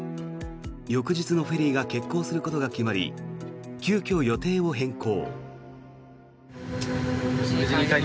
翌日のフェリーが欠航することが決まり急きょ、予定を変更。